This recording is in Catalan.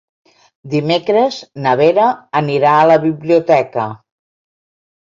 Dimecres na Vera anirà a la biblioteca.